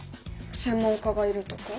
専門家がいるとか？